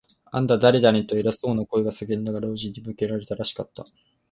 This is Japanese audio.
「あんた、だれだね？」と、偉そうな声が叫んだが、老人に向けられたらしかった。